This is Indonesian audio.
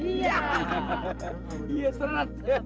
ini saya sudah banyak obat